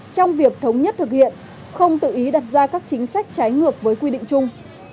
trong việc thống nhất thực hiện không tự ý đặt ra các chính sách trái ngược với quy định chung